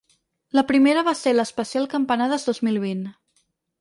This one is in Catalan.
La primera va ser l’especial campanades dos mil vint.